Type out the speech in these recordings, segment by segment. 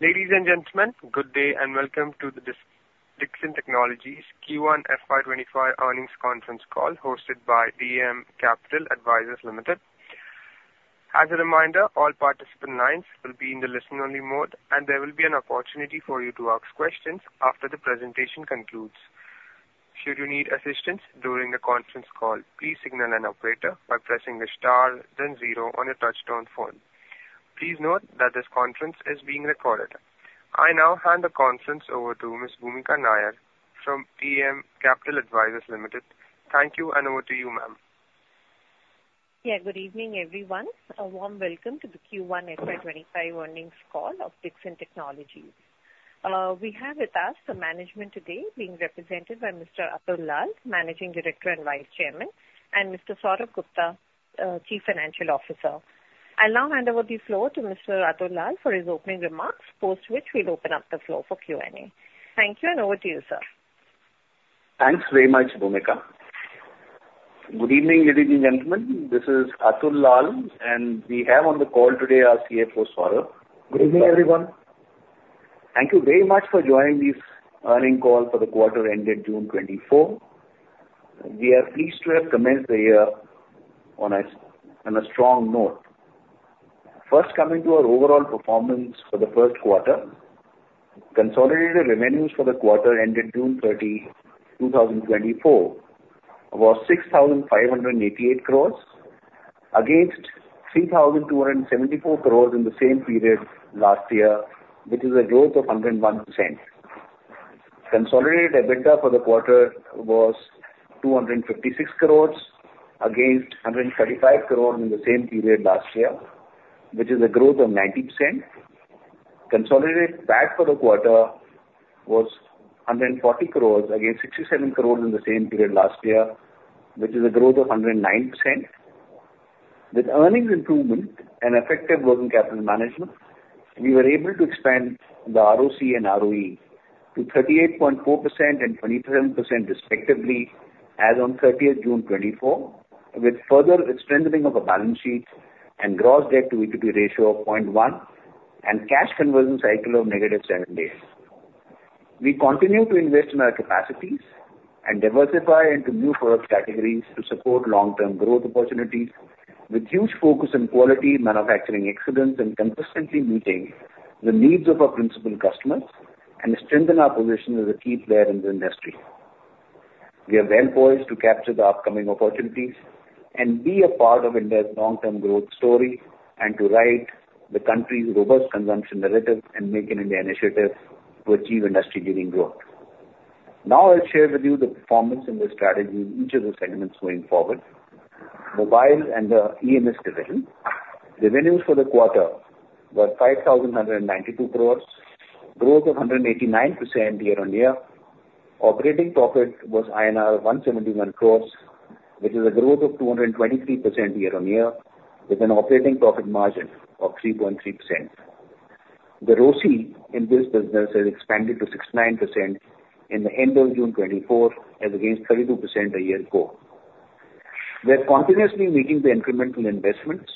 Ladies and gentlemen, good day and welcome to the Dixon Technologies Q1 FY 2025 earnings conference call hosted by DAM Capital Advisors Limited. As a reminder, all participant lines will be in the listen-only mode, and there will be an opportunity for you to ask questions after the presentation concludes. Should you need assistance during the conference call, please signal an operator by pressing the star then zero on your touch-tone phone. Please note that this conference is being recorded. I now hand the conference over to Ms. Bhoomika Nair from DAM Capital Advisors Limited. Thank you, and over to you, ma'am. Yeah, good evening, everyone. A warm welcome to the Q1 FY 2025 earnings call of Dixon Technologies. We have with us the management today being represented by Mr. Atul Lall, Managing Director and Vice Chairman, and Mr. Saurabh Gupta, Chief Financial Officer. I'll now hand over the floor to Mr. Atul Lall for his opening remarks, post which we'll open up the floor for Q&A. Thank you, and over to you, sir. Thanks very much, Bhoomika. Good evening, ladies and gentlemen. This is Atul Lall, and we have on the call today our CFO, Saurabh. Good evening, everyone. Thank you very much for joining this earnings call for the quarter ended June 2024. We are pleased to have commenced the year on a strong note. First, coming to our overall performance for the first quarter, consolidated revenues for the quarter ended June 30, 2024, was 6,588 crores against 3,274 crores in the same period last year, which is a growth of 101%. Consolidated EBITDA for the quarter was 256 crores against 135 crores in the same period last year, which is a growth of 90%. Consolidated PAT for the quarter was 140 crores against 67 crores in the same period last year, which is a growth of 109%. With earnings improvement and effective working capital management, we were able to expand the ROC and ROE to 38.4% and 27% respectively as of 30th June 2024, with further strengthening of the balance sheet and gross debt-to-equity ratio of 0.1 and cash conversion cycle of negative 7 days. We continue to invest in our capacities and diversify into new product categories to support long-term growth opportunities with huge focus on quality manufacturing excellence and consistently meeting the needs of our principal customers and strengthen our position as a key player in the industry. We are well poised to capture the upcoming opportunities and be a part of India's long-term growth story and to write the country's robust consumption narrative and Make in India initiative to achieve industry-leading growth. Now, I'll share with you the performance and the strategy in each of the segments going forward. Mobile and the EMS division, revenues for the quarter were 5,192 crores, growth of 189% year-on-year. Operating profit was INR 171 crores, which is a growth of 223% year-on-year with an operating profit margin of 3.3%. The ROC in this business has expanded to 69% in the end of June 2024 as against 32% a year ago. We're continuously making the incremental investments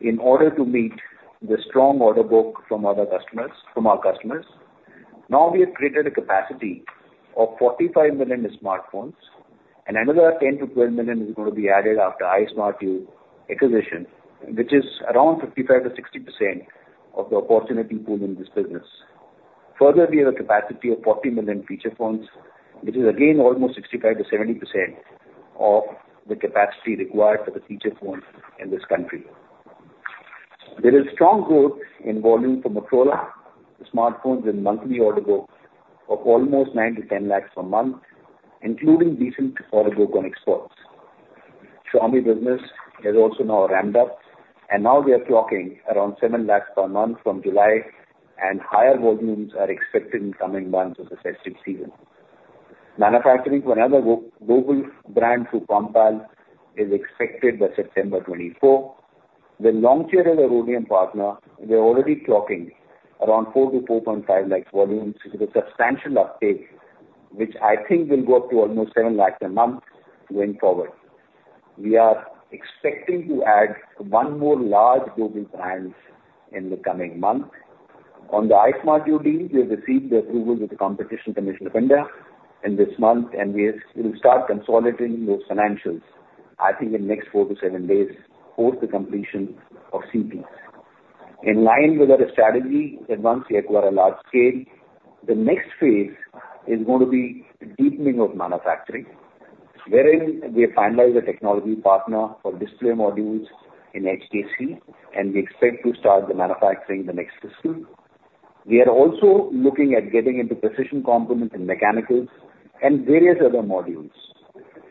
in order to meet the strong order book from other customers, from our customers. Now, we have created a capacity of 45 million smartphones, and another 10 million-12 million is going to be added after Ismartu acquisition, which is around 55%-60% of the opportunity pool in this business. Further, we have a capacity of 40 million feature phones, which is again almost 65%-70% of the capacity required for the feature phones in this country. There is strong growth in volume for Motorola smartphones in monthly order book of almost 9 lakhs-10 lakhs per month, including decent order book on exports. Xiaomi business has also now ramped up, and now we are clocking around 7 lakhs per month from July, and higher volumes are expected in coming months of the festive season. Manufacturing for another global brand through Compal is expected by September 2024. With long-term OEM partner, we're already clocking around 4 lakhs-4.5 lakhs volume, which is a substantial uptake, which I think will go up to almost 7 lakhs a month going forward. We are expecting to add one more large global brand in the coming month. On the Ismartu deal, we have received the approval with the Competition Commission of India in this month, and we will start consolidating those financials, I think, in the next 4-7 days, post the completion of CPs. In line with our strategy that once we acquire a large scale, the next phase is going to be deepening of manufacturing, wherein we have finalized a technology partner for display modules in HKC, and we expect to start the manufacturing the next fiscal. We are also looking at getting into precision components and mechanicals and various other modules.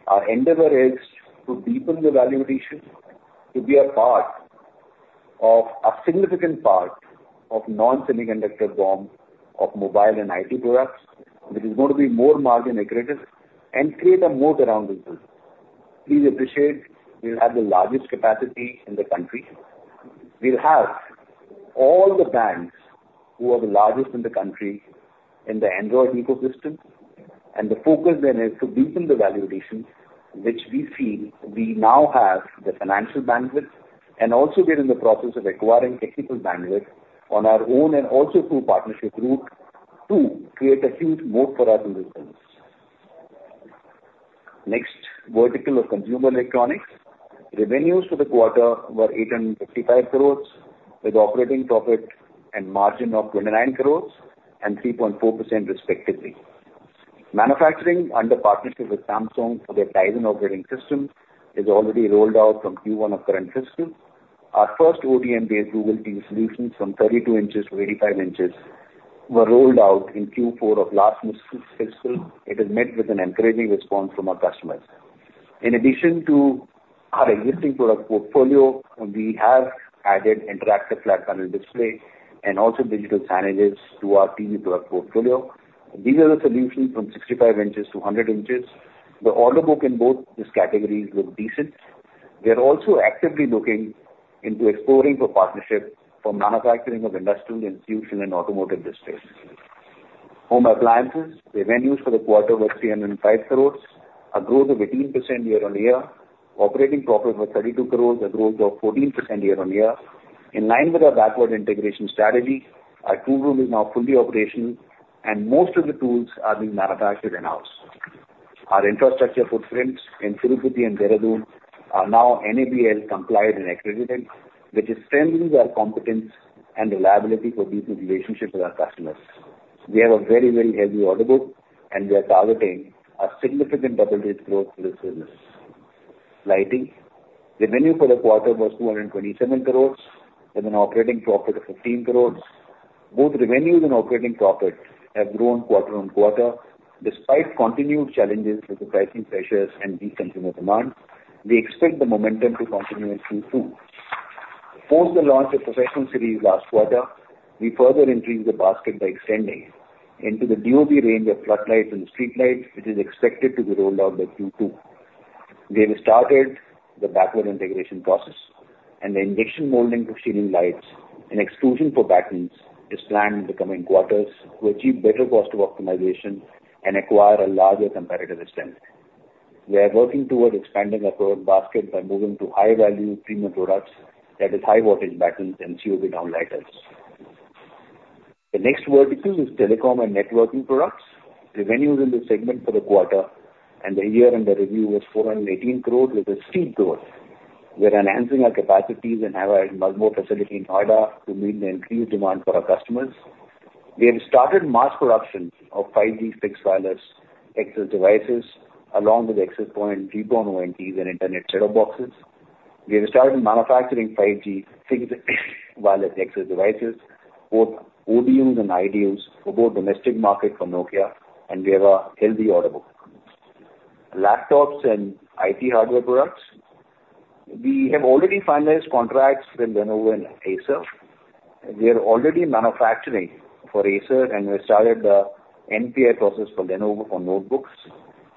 Our endeavor is to deepen the value addition, to be a part of a significant part of non-semiconductor form of mobile and IT products, which is going to be more margin accredited and create a more durable business. Please appreciate we'll have the largest capacity in the country. We'll have all the banks who are the largest in the country in the Android ecosystem, and the focus then is to deepen the value addition, which we feel we now have the financial bandwidth and also get in the process of acquiring technical bandwidth on our own and also through partnership group to create a huge moat for us in this business. Next vertical of consumer electronics, revenues for the quarter were 855 crores with operating profit and margin of 29 crores and 3.4% respectively. Manufacturing under partnership with Samsung for their Tizen operating system is already rolled out from Q1 of current fiscal. Our first ODM-based Google TV solutions from 32 in-85 in were rolled out in Q4 of last fiscal. It has met with an encouraging response from our customers. In addition to our existing product portfolio, we have added interactive flat panel display and also digital signages to our TV product portfolio. These are the solutions from 65 in-100 in. The order book in both these categories looked decent. We are also actively looking into exploring for partnership from manufacturing of industrial, institutional, and automotive displays. Home appliances revenues for the quarter were 305 crores, a growth of 18% year-on-year. Operating profit was 32 crore, a growth of 14% year-on-year. In line with our backward integration strategy, our tool room is now fully operational, and most of the tools are being manufactured in-house. Our infrastructure footprints in Tirupati and Dehradun are now NABL-compliant and accredited, which is strengthening our competence and reliability for deepening relationships with our customers. We have a very, very heavy order book, and we are targeting a significant double-digit growth for this business. Lighting revenue for the quarter was 227 crores with an operating profit of 15 crores. Both revenues and operating profits have grown quarter-over-quarter. Despite continued challenges with the pricing pressures and decreasing demand, we expect the momentum to continue in Q2. Post the launch of professional series last quarter, we further increased the basket by extending into the DOB range of floodlights and streetlights, which is expected to be rolled out by Q2. We have started the backward integration process and the injection molding for ceiling lights and enclosures for battens is planned in the coming quarters to achieve better cost optimization and acquire a larger competitive stance. We are working towards expanding our product basket by moving to high-value premium products, that is, high-voltage battens and COB downlighters. The next vertical is telecom and networking products. Revenues in this segment for the quarter and the year-end review was 418 crore with a steep growth. We're enhancing our capacities and have multiple facilities in Noida to meet the increased demand for our customers. We have started mass production of 5G fixed wireless access devices along with access point GPON, ONTs, and internet set-top boxes. We have started manufacturing 5G fixed wireless access devices, both ODUs and IDUs for the domestic market for Nokia, and we have a healthy order book. Laptops and IT hardware products, we have already finalized contracts with Lenovo and Acer. We are already manufacturing for Acer, and we started the NPI process for Lenovo for notebooks,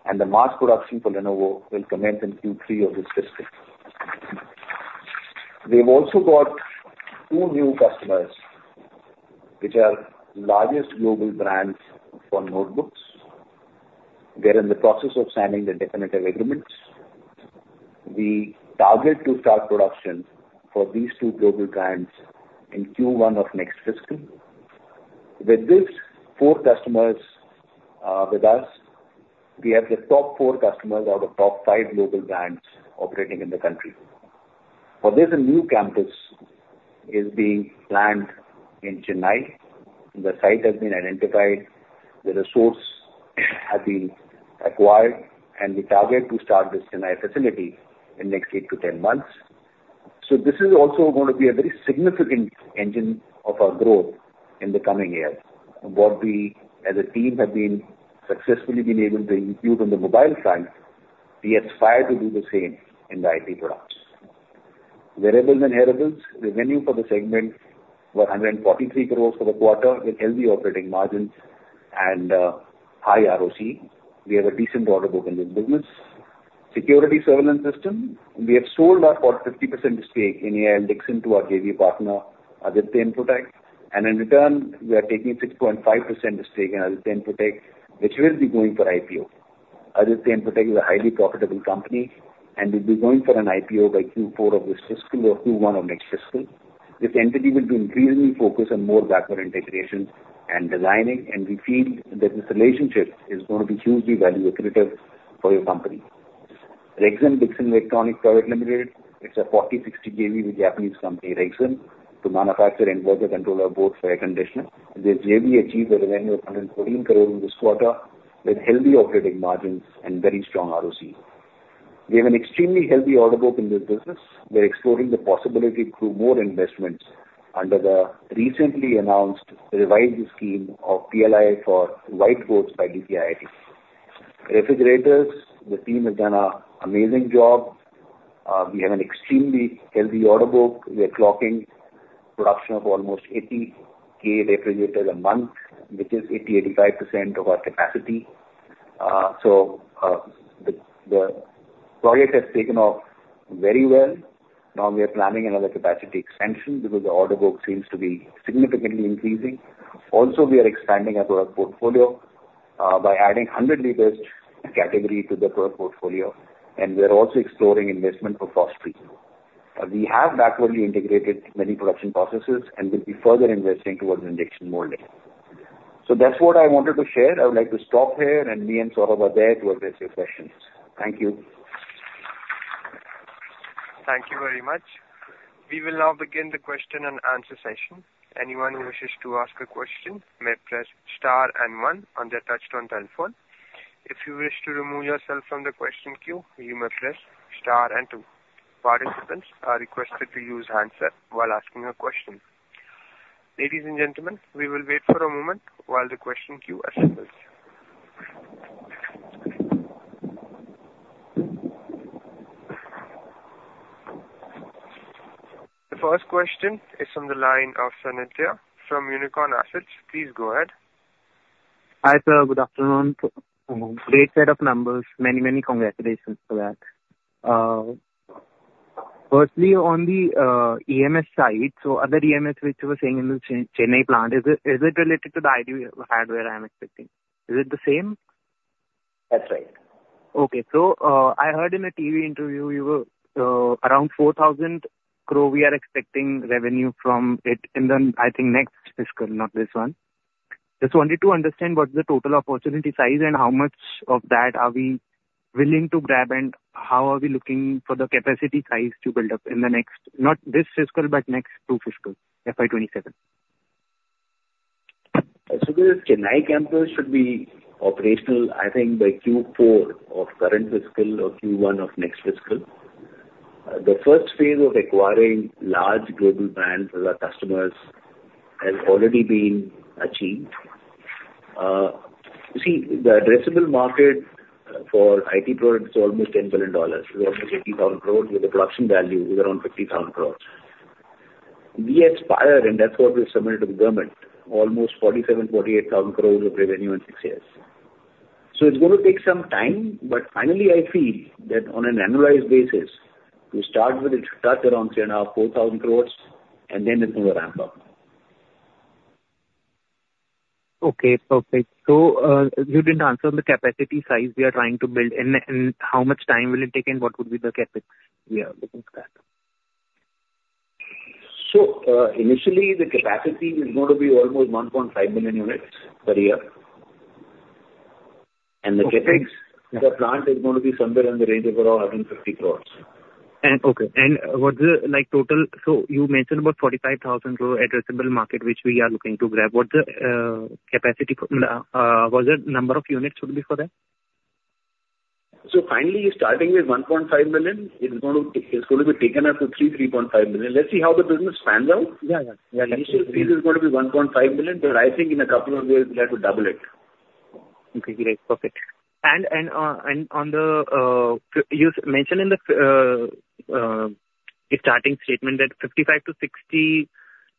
and the mass production for Lenovo will commence in Q3 of this fiscal. We've also got two new customers, which are the largest global brands for notebooks. They're in the process of signing the definitive agreements. We target to start production for these two global brands in Q1 of next fiscal. With these four customers with us, we have the top four customers out of top five global brands operating in the country. For this, a new campus is being planned in Chennai. The site has been identified. The resource has been acquired, and we target to start this Chennai facility in the next 8-10 months. So this is also going to be a very significant engine of our growth in the coming years. What we, as a team, have been successfully able to execute on the mobile front, we aspire to do the same in the IT products. Wearables and hearables, revenue for the segment was 143 crores for the quarter with healthy operating margins and high ROC. We have a decent order book in this business. Security surveillance system, we have sold our 50% stake in AIL Dixon to our JV partner, Aditya Infotech, and in return, we are taking 6.5% stake in Aditya Infotech, which will be going for IPO. Aditya Infotech is a highly profitable company, and we'll be going for an IPO by Q4 of this fiscal or Q1 of next fiscal. This entity will be increasingly focused on more backward integration and designing, and we feel that this relationship is going to be hugely value-accretive for your company. Rexxam Dixon Electronics Private Limited, it's a 40-60 JV with Japanese company Rexxam to manufacture inverter controller boards for air conditioners. This JV achieved a revenue of 114 crore this quarter with healthy operating margins and very strong ROC. We have an extremely healthy order book in this business. We're exploring the possibility through more investments under the recently announced revised scheme of PLI for white goods by DPIIT. Refrigerators, the team has done an amazing job. We have an extremely healthy order book. We are clocking production of almost 80,000 refrigerators a month, which is 80%-85% of our capacity. So the project has taken off very well. Now we are planning another capacity extension because the order book seems to be significantly increasing. Also, we are expanding our product portfolio by adding 100 L category to the product portfolio, and we're also exploring investment for frost-free. We have backwardly integrated many production processes and will be further investing towards injection molding. So that's what I wanted to share. I would like to stop here, and me and Saurabh are there to address your questions. Thank you. Thank you very much. We will now begin the question and answer session. Anyone who wishes to ask a question may press star and one on their touch-tone telephone. If you wish to remove yourself from the question queue, you may press star and two. Participants are requested to use handset while asking a question. Ladies and gentlemen, we will wait for a moment while the question queue assembles. The first question is from the line of Sanidhya from Unicorn Assets. Please go ahead. Hi sir, good afternoon. Great set of numbers. Many, many congratulations for that. Firstly, on the EMS side, so other EMS which you were saying in the Chennai plant, is it related to the IT hardware I am expecting? Is it the same? That's right. Okay, so I heard in a TV interview you were around 4,000 crore we are expecting revenue from it in the, I think, next fiscal, not this one. Just wanted to understand what's the total opportunity size and how much of that are we willing to grab and how are we looking for the capacity size to build up in the next, not this fiscal, but next two fiscals, FY 2027? So this Chennai campus should be operational, I think, by Q4 of current fiscal or Q1 of next fiscal. The first phase of acquiring large global brands with our customers has already been achieved. You see, the addressable market for IT products is almost $10 billion. It's almost 80,000 crore, with the production value is around 50,000 crore. We aspire, and that's what we've submitted to the government, almost 47,000 crore-48,000 crore of revenue in six years. So it's going to take some time, but finally, I feel that on an annualized basis, we start with a touch around 3,500 crore-4,000 crore, and then it's going to ramp up. Okay, perfect. So you didn't answer the capacity size we are trying to build, and how much time will it take and what would be the CapEx we are looking for that? So initially, the capacity is going to be almost 1.5 million units per year. And the CapEx for the plant is going to be somewhere in the range of around 150 crore. Okay, and what's the total, so you mentioned about 45,000 crore addressable market, which we are looking to grab. What's the capacity, what's the number of units would be for that? So finally, starting with 1.5 million, it's going to be taken up to 3 million-3.5 million. Let's see how the business pans out. Initial phase is going to be 1.5 million, but I think in a couple of years we'll have to double it. Okay, great, perfect. And on the, you mentioned in the starting statement that 55 million-60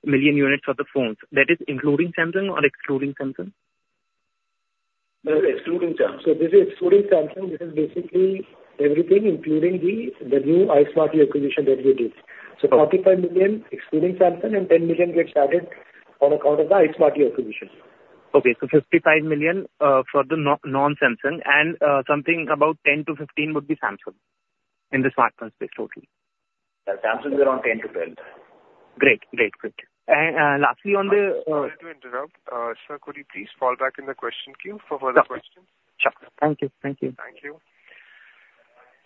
million units for the phones, that is including Samsung or excluding Samsung? Excluding Samsung. So this is excluding Samsung, this is basically everything including the new Ismartu acquisition that we did. So 45 million, excluding Samsung, and 10 million gets added on account of the Ismartu acquisition. Okay, so 55 million for the non-Samsung and something about 10-15 would be Samsung in the smartphone space total. Samsung is around 10-12. Great, great, great. And lastly on the. Sorry to interrupt, sir, could you please fall back in the question queue for further questions? Sure, sure. Thank you, thank you. Thank you.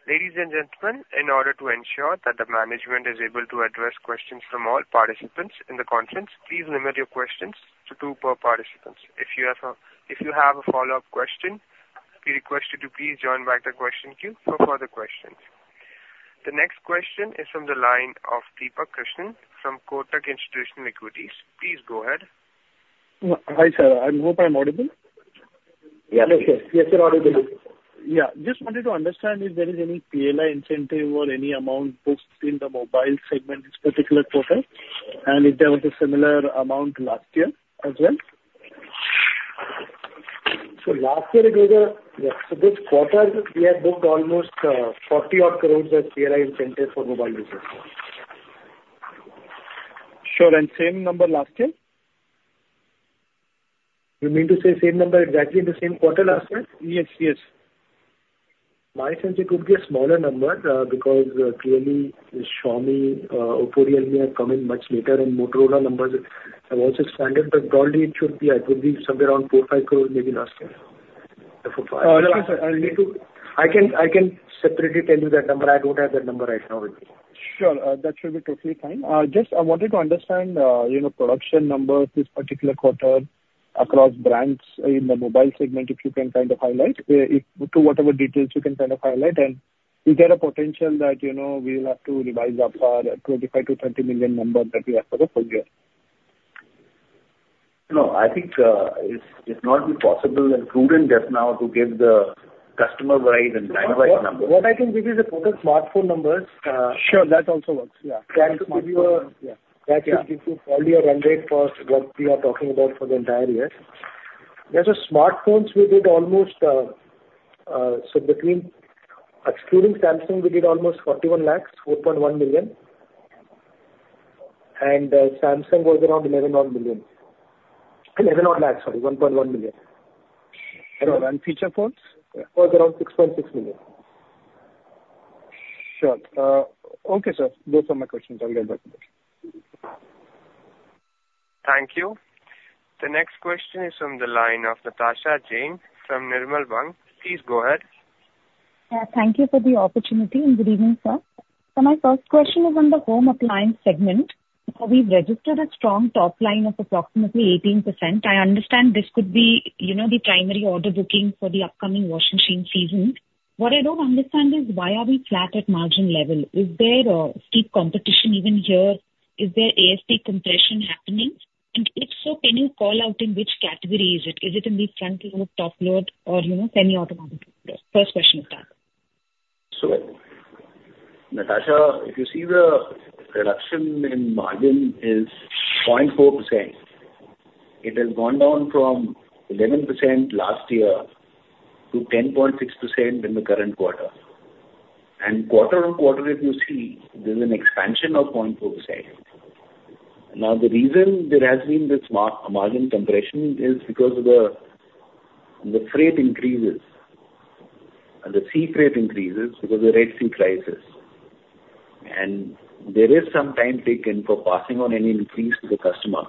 Ladies and gentlemen, in order to ensure that the management is able to address questions from all participants in the conference, please limit your questions to two per participants. If you have a follow-up question, we request you to please join back the question queue for further questions. The next question is from the line of Deepak Krishnan from Kotak Institutional Equities. Please go ahead. Hi sir, I hope I'm audible. Yes, yes, you're audible. Yeah, just wanted to understand if there is any PLI incentive or any amount booked in the mobile segment this particular quarter, and if there was a similar amount last year as well. So last year, yeah, so this quarter we have booked almost 40-odd crore as PLI incentive for mobile users. Sure, and same number last year? You mean to say same number exactly in the same quarter last year? Yes, yes. My sense it could be a smaller number because clearly Xiaomi, Oppo, Realme have come in much later and Motorola numbers have also expanded, but probably it should be—it would be somewhere around 4 crore-5 crore maybe last year. I can separately tell you that number. I don't have that number right now with me. Sure, that should be totally fine. Just, I wanted to understand production numbers this particular quarter across brands in the mobile segment, if you can kind of highlight to whatever details you can kind of highlight, and is there a potential that we will have to revise up our 25 million-30 million number that we have for the full year? No, I think it's not possible and prudent just now to give the customer-wise and demand-side number. What I can give you is the total smartphone numbers. Sure, that also works, yeah. That will give you a, yeah, that will give you probably a run rate for what we are talking about for the entire year. There are smartphones we did almost, so excluding Samsung, we did almost 41 lakhs, 4.1 million. And Samsung was around 11-odd lakhs, sorry, 1.1 million. And feature phones? Was around 6.6 million. Sure. Okay, sir, those are my questions. I'll get back to you. Thank you. The next question is from the line of Natasha Jain from Nirmal Bang. Please go ahead. Thank you for the opportunity and good evening, sir. So my first question is on the home appliance segment. We've registered a strong top line of approximately 18%. I understand this could be the primary order booking for the upcoming washing machine season. What I don't understand is why are we flat at margin level? Is there a steep competition even here? Is there ASP compression happening? And if so, can you call out in which category is it? Is it in the front load, top load, or semi-automatic? First question is that. So Natasha, if you see the reduction in margin is 0.4%. It has gone down from 11% last year to 10.6% in the current quarter. Quarter on quarter, if you see, there's an expansion of 0.4%. Now, the reason there has been this margin compression is because the freight increases. The sea freight increases because the Red Sea crisis. There is some time taken for passing on any increase to the customer.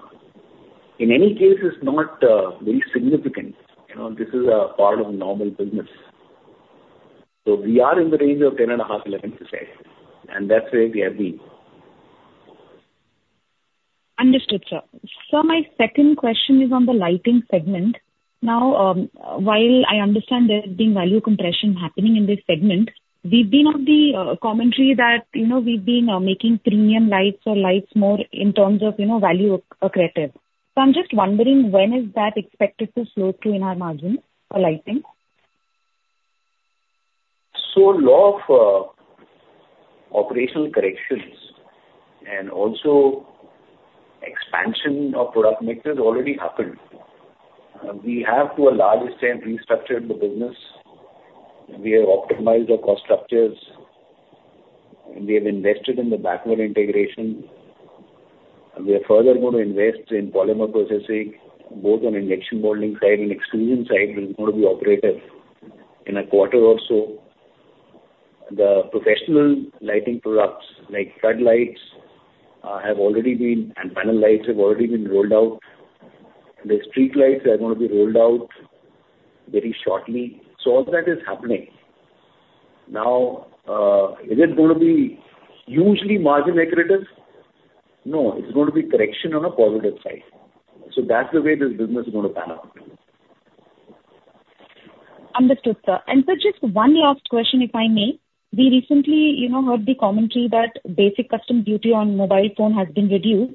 In any case, it's not very significant. This is a part of normal business. So we are in the range of 10.5%-11%. And that's where we have been. Understood, sir. So my second question is on the lighting segment. Now, while I understand there's been value compression happening in this segment, we've been on the commentary that we've been making premium lights or lights more in terms of value accretive. So I'm just wondering, when is that expected to slow through in our margin for lighting? So a lot of operational corrections and also expansion of product mix has already happened. We have, to a large extent, restructured the business. We have optimized our cost structures. We have invested in the backward integration. We are further going to invest in polymer processing, both on injection molding side and extrusion side. There's going to be operational in a quarter or so. The professional lighting products like floodlights have already been, and panel lights have already been rolled out. The street lights are going to be rolled out very shortly. So all that is happening. Now, is it going to be hugely margin accretive? No, it's going to be accretion on a positive side. So that's the way this business is going to pan out. Understood, sir. And sir, just one last question, if I may. We recently heard the commentary that basic customs duty on mobile phones has been reduced.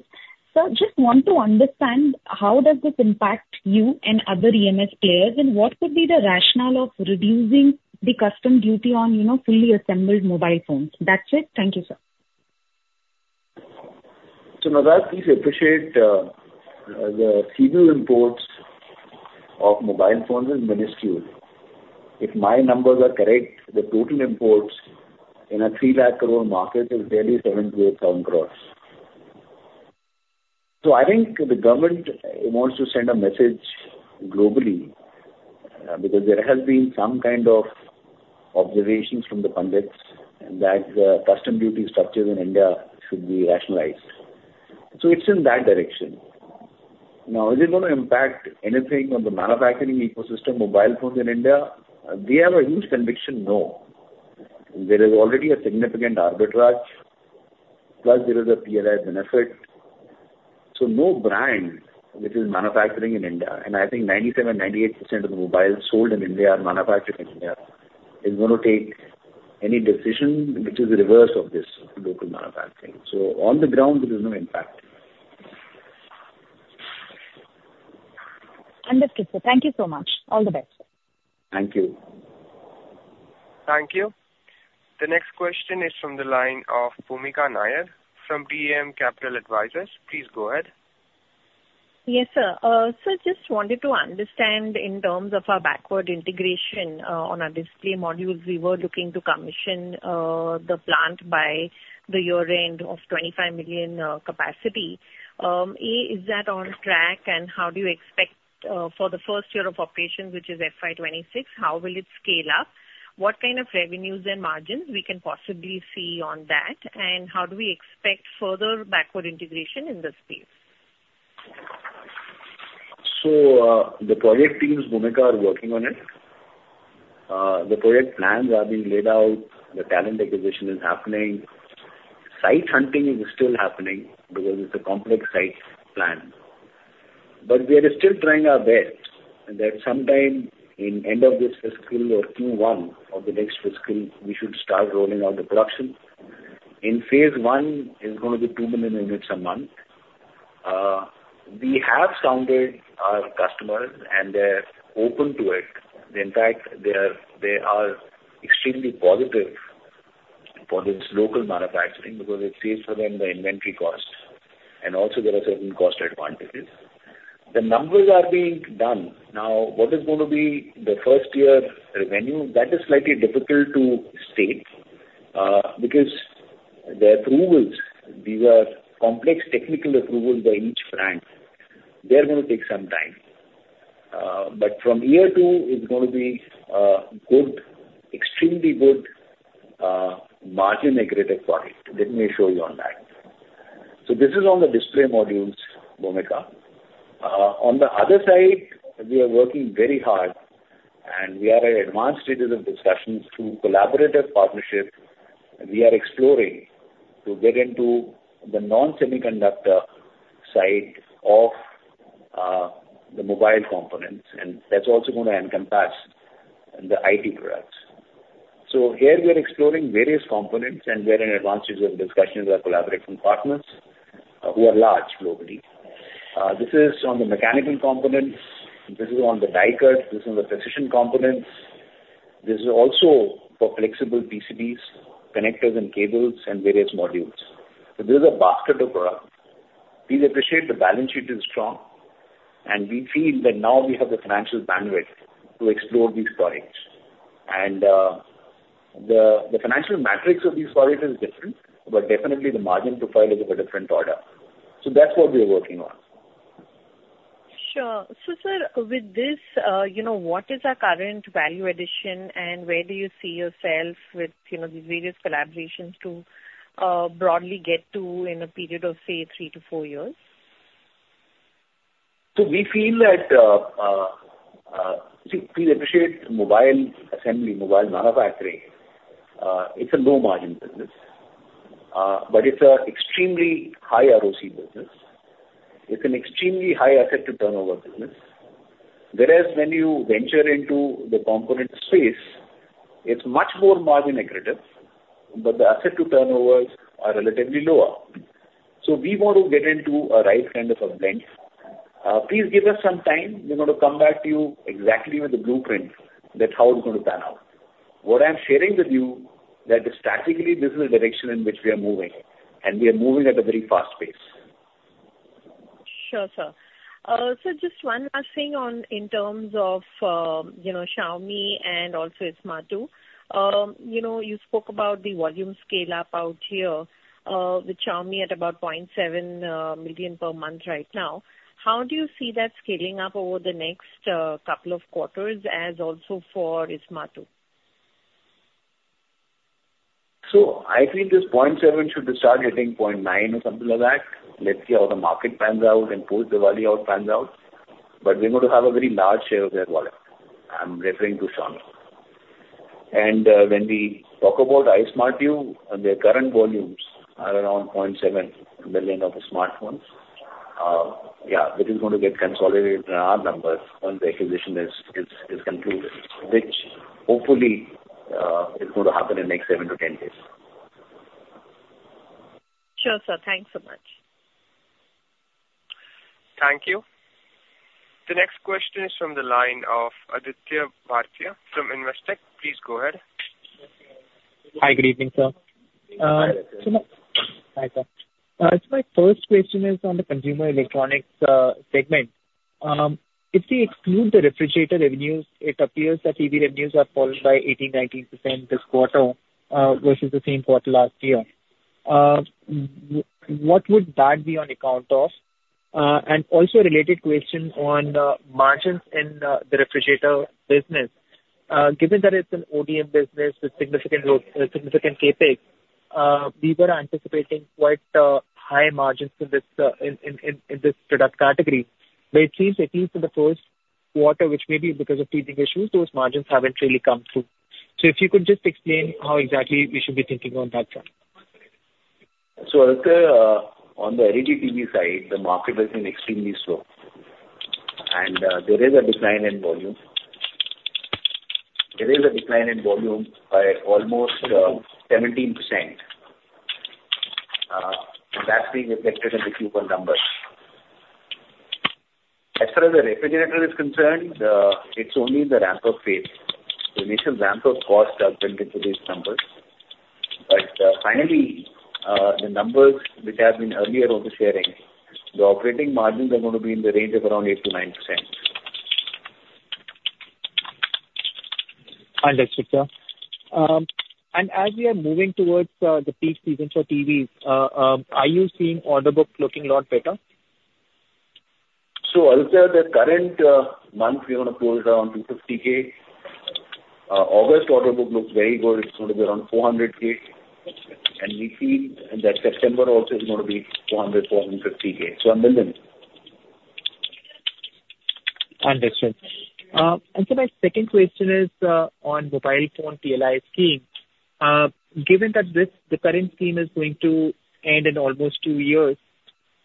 Sir, just want to understand how does this impact you and other EMS players, and what could be the rationale of reducing the customs duty on fully assembled mobile phones? That's it. Thank you, sir. So Natasha, please appreciate the seasonal imports of mobile phones is minuscule. If my numbers are correct, the total imports in a 300,000 crore market is nearly 7,000 crore-8,000 crore. So I think the government wants to send a message globally because there has been some kind of observations from the pundits that customs duty structures in India should be rationalized. So it's in that direction. Now, is it going to impact anything on the manufacturing ecosystem mobile phones in India? We have a huge conviction, no. There is already a significant arbitrage, plus there is a PLI benefit. So no brand which is manufacturing in India, and I think 97%-98% of the mobiles sold in India and manufactured in India is going to take any decision which is reverse of this local manufacturing. So on the ground, there is no impact. Understood, sir. Thank you so much. All the best. Thank you. Thank you. The next question is from the line of Bhoomika Nair from DAM Capital Advisors. Please go ahead. Yes, sir. Sir, just wanted to understand in terms of our backward integration on our display modules, we were looking to commission the plant by the year-end of 25 million capacity. Is that on track, and how do you expect for the first year of operation, which is FY 2026, how will it scale up? What kind of revenues and margins we can possibly see on that, and how do we expect further backward integration in this space? So the project teams, Bhoomika, are working on it. The project plans are being laid out. The talent acquisition is happening. Site hunting is still happening because it's a complex site plan. But we are still trying our best that sometime in end of this fiscal or Q1 of the next fiscal, we should start rolling out the production. In phase one, it's going to be 2 million units a month. We have sounded our customers, and they're open to it. In fact, they are extremely positive for this local manufacturing because it saves them the inventory cost. And also, there are certain cost advantages. The numbers are being done. Now, what is going to be the first year revenue? That is slightly difficult to state because the approvals, these are complex technical approvals by each brand. They're going to take some time. But from year two, it's going to be good, extremely good margin accredited product. Let me show you on that. So this is on the display modules, Bhoomika. On the other side, we are working very hard, and we are at advanced stages of discussions through collaborative partnership. We are exploring to get into the non-semiconductor side of the mobile components, and that's also going to encompass the IT products. So here, we are exploring various components, and we're in advanced stages of discussions with our collaborating partners who are large globally. This is on the mechanical components. This is on the die-cut. This is on the precision components. This is also for flexible PCBs, connectors, and cables, and various modules. So this is a basket of products. Please appreciate the balance sheet is strong, and we feel that now we have the financial bandwidth to explore these products. And the financial metrics of these products are different, but definitely the margin profile is of a different order. So that's what we are working on. Sure. So sir, with this, what is our current value addition, and where do you see yourself with these various collaborations to broadly get to in a period of, say, three to four years? So we feel that, please appreciate mobile assembly, mobile manufacturing. It's a low-margin business, but it's an extremely high ROC business. It's an extremely high asset-to-turnover business. Whereas when you venture into the component space, it's much more margin-accretive, but the asset-to-turnovers are relatively lower. So we want to get into a right kind of a blend. Please give us some time. We're going to come back to you exactly with the blueprint that's how it's going to pan out. What I'm sharing with you is that strategically, this is the direction in which we are moving, and we are moving at a very fast pace. Sure, sir. So just one last thing in terms of Xiaomi and also Ismartu. You spoke about the volume scale-up out here with Xiaomi at about 0.7 million per month right now. How do you see that scaling up over the next couple of quarters as also for Ismartu? So I think this 0.7 should start hitting 0.9 or something like that. Let's see how the market pans out and post the value-out pans out. But we're going to have a very large share of their wallet. I'm referring to Xiaomi. And when we talk about Ismartu and their current volumes, around 0.7 million of the smartphones, yeah, this is going to get consolidated in our numbers once the acquisition is concluded, which hopefully is going to happen in the next 7 to 10 days. Sure, sir. Thanks so much. Thank you. The next question is from the line of Aditya Bhartia from Investec. Please go ahead. Hi, good evening, sir. Hi, Aditya. Hi, sir. It's my first question is on the consumer electronics segment. If we exclude the refrigerator revenues, it appears that TV revenues are falling by 18%-19% this quarter versus the same quarter last year. What would that be on account of? And also a related question on margins in the refrigerator business. Given that it's an ODM business with significant CapEx, we were anticipating quite high margins in this product category. But it seems at least in the first quarter, which may be because of teething issues, those margins haven't really come through. So if you could just explain how exactly we should be thinking on that front. On the LED TV side, the market has been extremely slow. There is a decline in volume. There is a decline in volume by almost 17%. That's being reflected in the Q1 numbers. As far as the refrigerator is concerned, it's only the ramp-up phase. The initial ramp-up cost has been into these numbers. But finally, the numbers which have been earlier on the sharing, the operating margins are going to be in the range of around 8%-9%. Understood, sir. As we are moving towards the peak season for TVs, are you seeing order books looking a lot better? So, sir, the current month, we're going to close around 250,000. August order book looks very good. It's going to be around 400,000. And we see that September also is going to be 400,000-450,000. So, 1 million. Understood. And, sir, my second question is on mobile phone PLI scheme. Given that the current scheme is going to end in almost two years,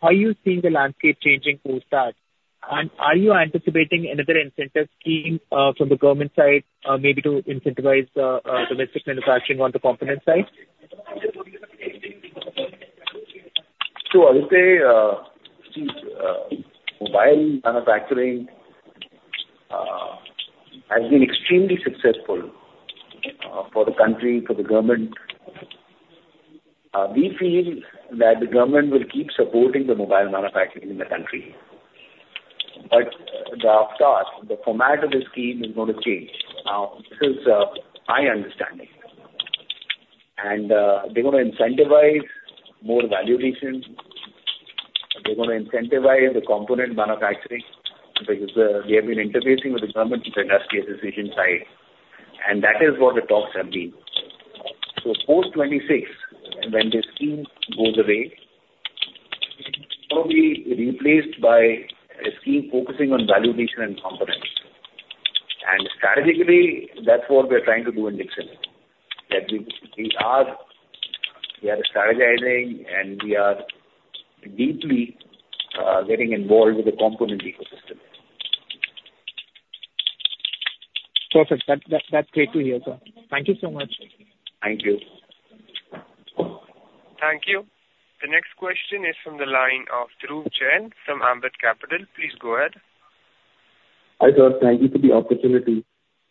how are you seeing the landscape changing post that? And are you anticipating another incentive scheme from the government side maybe to incentivize domestic manufacturing on the component side? So, I would say, geez, mobile manufacturing has been extremely successful for the country, for the government. We feel that the government will keep supporting the mobile manufacturing in the country. But the format of the scheme is going to change. Now, this is my understanding. And they're going to incentivize more value addition. They're going to incentivize the component manufacturing because they have been interfacing with the government on the industrial decision side. That is what the talks have been. Post 2026, when the scheme goes away, it will be replaced by a scheme focusing on value addition and components. Strategically, that's what we're trying to do in Dixon. That we are strategizing, and we are deeply getting involved with the component ecosystem. Perfect. That's great to hear, sir. Thank you so much. Thank you. Thank you. The next question is from the line of Dhruv Jain from Ambit Capital. Please go ahead. Hi sir, thank you for the opportunity.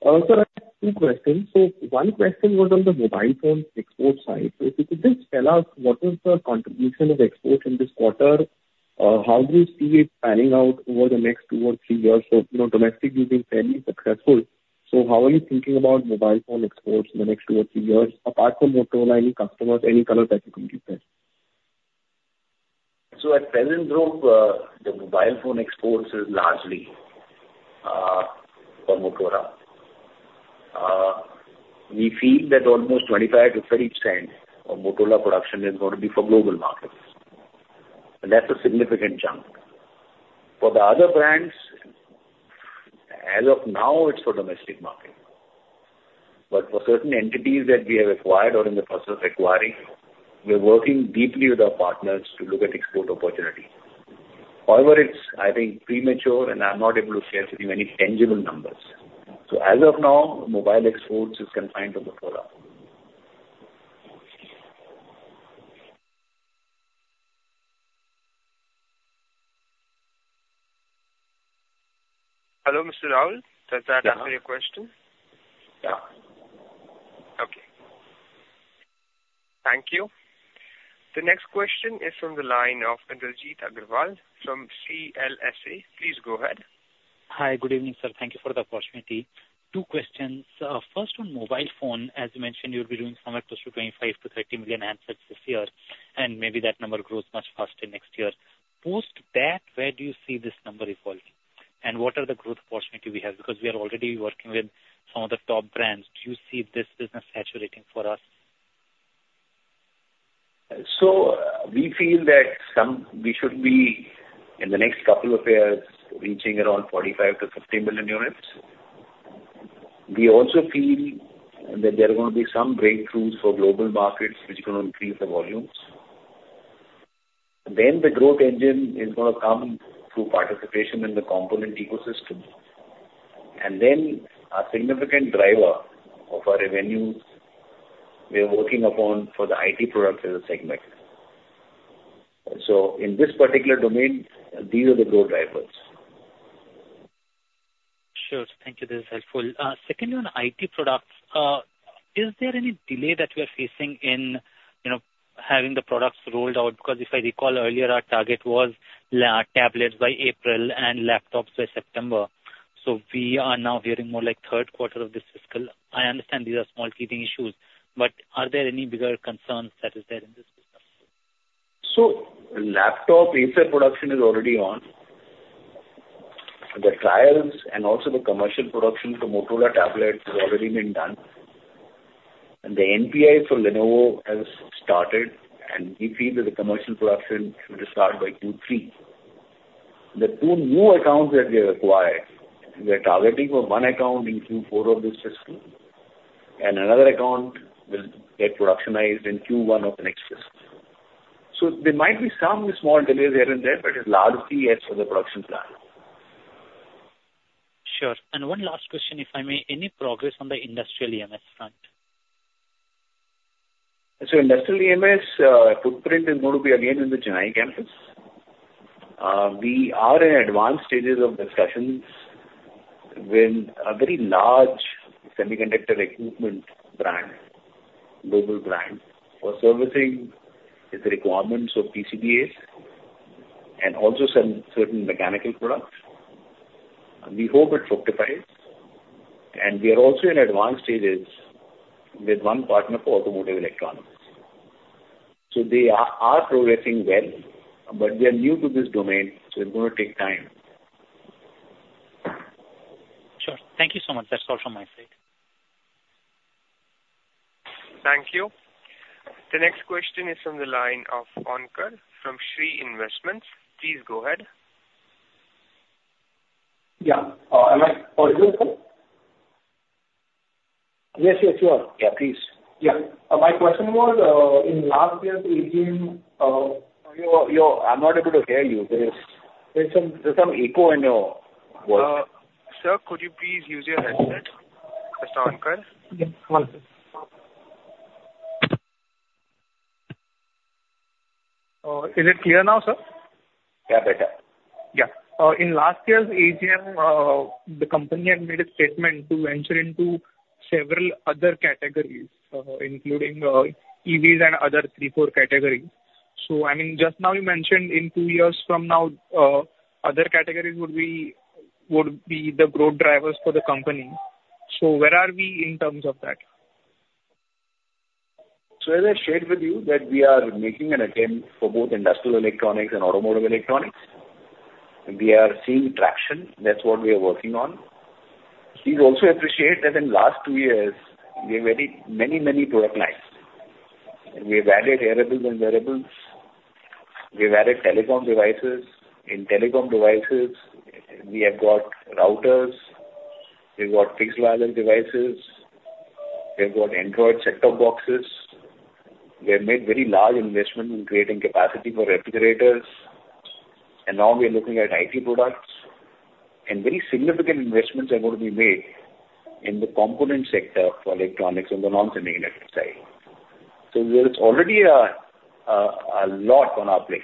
Sir, I have two questions. One question was on the mobile phone export side. If you could just tell us what was the contribution of exports in this quarter? How do you see it panning out over the next two or three years? So domestic using fairly successful. So how are you thinking about mobile phone exports in the next two or three years apart from Motorola and customers, any color that you can give there? So at present, though, the mobile phone exports is largely for Motorola. We feel that almost 25%-30% of Motorola production is going to be for global markets. And that's a significant chunk. For the other brands, as of now, it's for domestic market. But for certain entities that we have acquired or in the process of acquiring, we're working deeply with our partners to look at export opportunities. However, it's, I think, premature, and I'm not able to share with you any tangible numbers. So as of now, mobile exports is confined to Motorola. Hello, Mr. Dhruv. Does that answer your question? Yeah. Okay. Thank you. The next question is from the line of Indrajit Agarwal from CLSA. Please go ahead. Hi, good evening, sir. Thank you for the opportunity. Two questions. First, on mobile phone, as you mentioned, you'll be doing somewhere close to 25 million-30 million handsets this year, and maybe that number grows much faster next year. Post that, where do you see this number evolving? And what are the growth opportunities we have? Because we are already working with some of the top brands. Do you see this business saturating for us? So we feel that we should be, in the next couple of years, reaching around 45 million-50 million units. We also feel that there are going to be some breakthroughs for global markets, which are going to increase the volumes. Then the growth engine is going to come through participation in the component ecosystem. And then a significant driver of our revenues we are working upon for the IT products in the segment. So in this particular domain, these are the growth drivers. Sure. Thank you. This is helpful. Secondly, on IT products, is there any delay that we are facing in having the products rolled out? Because if I recall earlier, our target was tablets by April and laptops by September. So we are now hearing more like third quarter of this fiscal. I understand these are small key issues, but are there any bigger concerns that are there in this business? So laptop Acer production is already on. The trials and also the commercial production for Motorola tablets has already been done. And the NPI for Lenovo has started, and we feel that the commercial production should start by Q3. The two new accounts that we have acquired, we are targeting for one account in Q4 of this fiscal, and another account will get productionized in Q1 of the next fiscal. So there might be some small delays here and there, but it's largely as for the production plan. Sure. And one last question, if I may, any progress on the industrial EMS front? So industrial EMS footprint is going to be again in the Chennai campus. We are in advanced stages of discussions with a very large semiconductor equipment brand, global brand, for servicing its requirements of PCBs and also some certain mechanical products. We hope it fructifies. And we are also in advanced stages with one partner for automotive electronics. So they are progressing well, but they are new to this domain, so it's going to take time. Sure. Thank you so much. That's all from my side. Thank you. The next question is from the line of Onkar from Shree Investments. Please go ahead. Yeah. Am I audible? Yes, yes, you are. Yeah, please. Yeah. My question was, in last year's AGM, I'm not able to hear you. There's some echo in your voice. Sir, could you please use your headset? Mr. Onkar? Yes. One sec. Is it clear now, sir? Yeah, better. Yeah. In last year's AGM, the company had made a statement to venture into several other categories, including EVs and other three, four categories. So I mean, just now you mentioned in two years from now, other categories would be the growth drivers for the company. So where are we in terms of that? So as I shared with you, that we are making an attempt for both industrial electronics and automotive electronics. We are seeing traction. That's what we are working on. Please also appreciate that in the last two years, we have added many, many product lines. We have added wearables and wearables. We have added telecom devices. In telecom devices, we have got routers. We've got fixed wireless devices. We've got Android set-top boxes. We have made very large investments in creating capacity for refrigerators. And now we're looking at IT products. And very significant investments are going to be made in the component sector for electronics on the non-semiconductor side. So there's already a lot on our plate.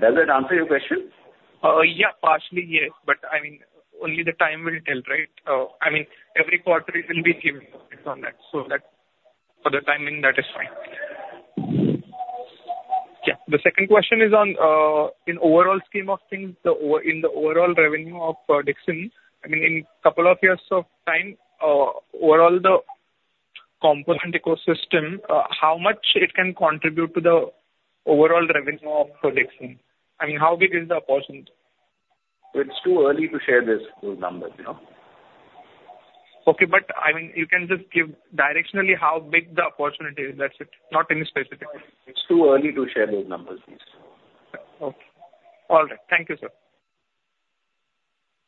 Does that answer your question? Yeah, partially, yes. But I mean, only the time will tell, right? I mean, every quarter it will be giving updates on that. So for the timing, that is fine. Yeah. The second question is on, in overall scheme of things, in the overall revenue of Dixon, I mean, in a couple of years of time, overall the component ecosystem, how much it can contribute to the overall revenue of Dixon? I mean, how big is the opportunity? It's too early to share those numbers. Okay. But I mean, you can just give directionally how big the opportunity is. That's it. Not any specific. It's too early to share those numbers, please. Okay. All right. Thank you, sir.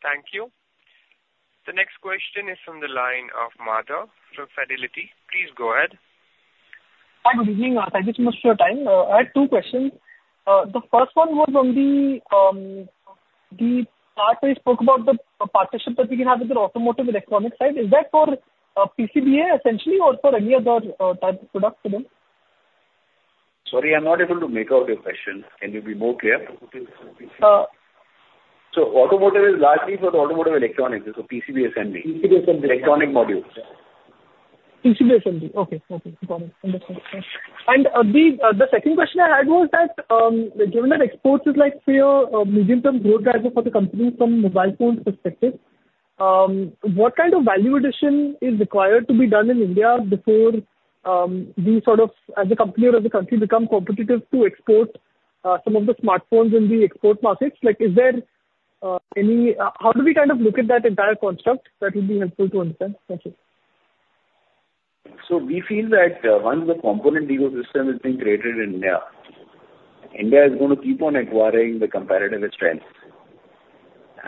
Thank you. The next question is from the line of Madhav from Fidelity. Please go ahead. Hi, good evening. Thank you so much for your time. I had two questions. The first one was on the part where you spoke about the partnership that we can have with the automotive electronics side. Is that for PCBA, essentially, or for any other type of product? Sorry, I'm not able to make out your question. Can you be more clear? So automotive is largely for the automotive electronics. It's for PCBs and electronic modules. PCBs and EV. Okay. Okay. Got it. Understood. And the second question I had was that, given that exports is like for your medium-term growth driver for the company from mobile phone perspective, what kind of value addition is required to be done in India before we sort of, as a company or as a country, become competitive to export some of the smartphones in the export markets? Is there any, how do we kind of look at that entire construct? That would be helpful to understand. Thank you. So we feel that once the component ecosystem has been created in India, India is going to keep on acquiring the competitive strength.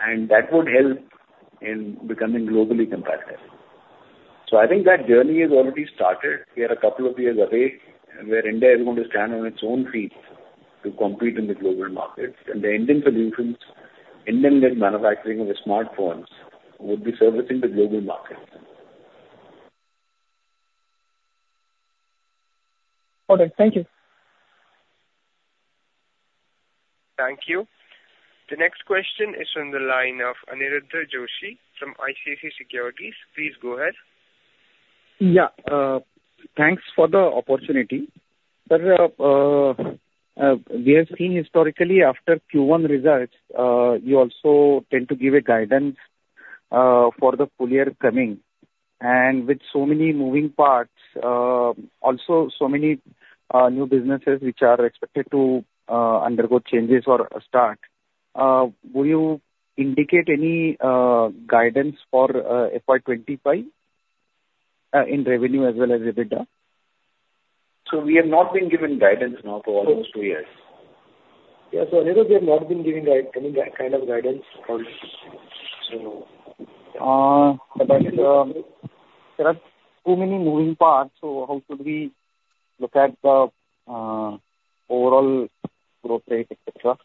And that would help in becoming globally competitive. So I think that journey has already started. We are a couple of years away where India is going to stand on its own feet to compete in the global markets. And the Indian solutions, Indian-led manufacturing of the smartphones, would be servicing the global markets. All right. Thank you. Thank you. The next question is from the line of Aniruddha Joshi from ICICI Securities. Please go ahead. Yeah. Thanks for the opportunity. Sir, we have seen historically, after Q1 results, you also tend to give guidance for the full year coming. With so many moving parts, also so many new businesses which are expected to undergo changes or start, will you indicate any guidance for FY 2025 in revenue as well as EBITDA? So we have not been given guidance now for almost two years. Yeah. So Aniruddha, we have not been given any kind of guidance for revenue. But there are too many moving parts. So how should we look at the overall growth rate, etc.?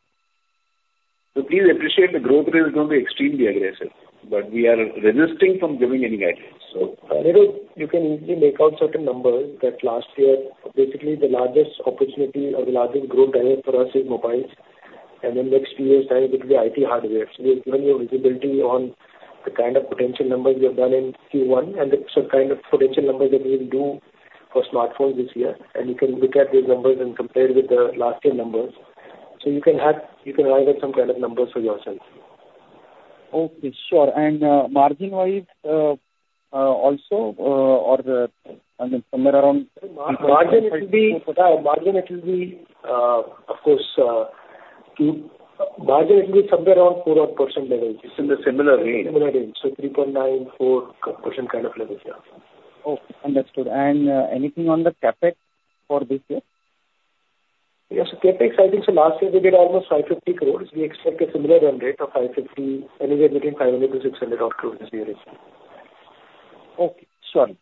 So please appreciate the growth rate is going to be extremely aggressive. But we are resisting from giving any guidance. So Aniruddha, you can easily make out certain numbers that last year, basically the largest opportunity or the largest growth driver for us is mobiles. And in the next few years' time, it will be IT hardware. So we have given you visibility on the kind of potential numbers we have done in Q1 and the kind of potential numbers that we will do for smartphones this year. And you can look at those numbers and compare with the last year's numbers. So you can have some kind of numbers for yourself. Okay. Sure. And margin-wise also, or I mean, somewhere around 4% level. Margin it will be, of course, somewhere around 4% level. It's in the similar range. Similar range. So 3.9%-4% kind of level, yeah. Okay. Understood. And anything on the CapEx for this year? Yeah. So CapEx, I think so last year we did almost 550 crores. We expect a similar run rate of 550 crores, anywhere between 500 crores-600 crores this year. Okay. Sorry.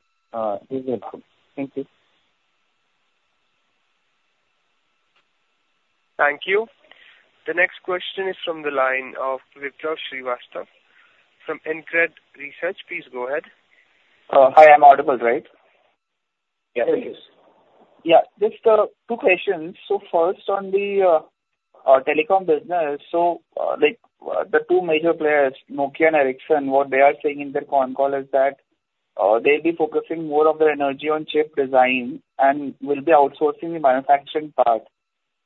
Thank you. Thank you. The next question is from the line of Vipraw Srivastava from InCred Research. Please go ahead. Hi. I'm audible, right? Yes. Yes. Yeah. Just two questions. So first, on the telecom business, so the two major players, Nokia and Ericsson, what they are saying in their phone call is that they'll be focusing more of their energy on chip design and will be outsourcing the manufacturing part.